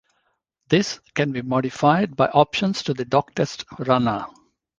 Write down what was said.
This can be modified by options to the doctest runner.